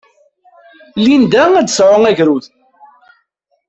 Linda ad d-tesɛu agrud.